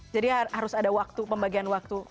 jadi harus ada waktu pembagian waktu